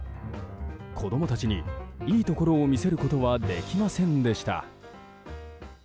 子供たちにいいところを見せることはできませんでした。